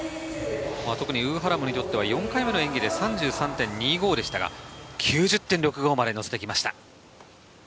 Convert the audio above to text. ウ・ハラムにとっては４回目の演技で、３３．２５でしたが、９０．６５までのせてきました。